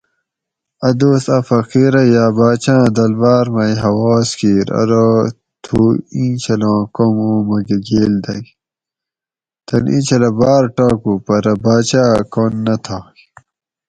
"آدوس اٞ فقیرہ یا باچہ اٞ دلبار مئی ہواس کیر اٞرو ""تُھو اِیں چھلاں کُوم اُو مٞکہ گیل دٞگ"" تن اِیں چھلہ بار ٹاکُو پٞرہ باچا اٞ کن نہ تھاگ"